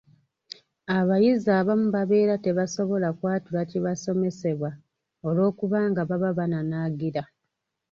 Abayizi abamu babeera tebasobola kwatula kibasomesebwa olw’okubanga baba bananaagira.